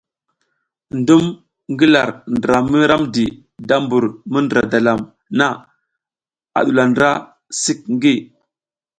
Ndum ngi lar ndra mi ramdi da mbur mi ndǝra dalam na a ɗuwula ndra sik ngi.